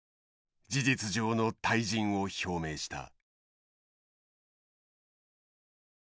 事実上の退陣を表明した。